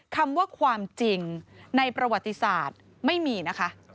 คำว่าความจริงในประวัติศาสตร์ไม่มีนะคะ